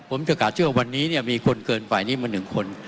ผมจะประกาศชื่อว่าวันนี้เนี้ยมีคนเกินฝ่ายนี้มาหนึ่งคน